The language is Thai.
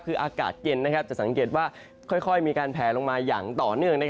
คืออากาศเย็นจะสังเกตว่าค่อยมีการแผลลงมาอย่างต่อเนื่อง